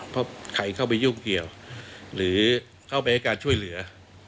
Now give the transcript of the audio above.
เพราะใครเข้าไปยุ่งเกี่ยวหรือเข้าไปให้การช่วยเหลือ